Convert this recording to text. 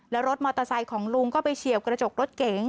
แล้วรถมอเตอร์ไซค์ของลุงก็ไปเฉียวกระจกรถเก๋ง